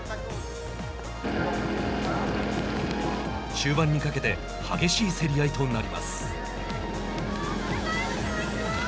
終盤にかけて激しい競り合いとなります。